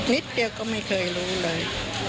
นิดเดียวก็ไม่เคยรู้เลย